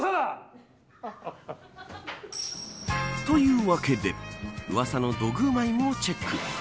というわけでうわさの土偶マイムをチェック。